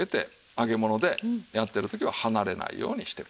揚げものでやってる時は離れないようにしてください。